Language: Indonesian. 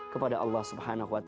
kepada allah swt